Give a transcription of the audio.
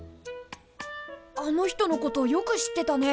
あの人のことよく知ってたね。